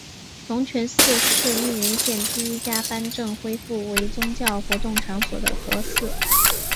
龙泉寺是密云县第一家颁证恢复为宗教活动场所的佛寺。